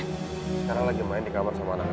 sekarang lagi main di kamar sama anak anak